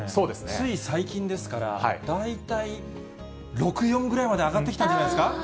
つい最近ですから、大体６・４ぐらいまで、上がってきたんじゃないですか。